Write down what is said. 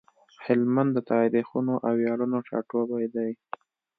هلمند د تاريخونو او وياړونو ټاټوبی دی۔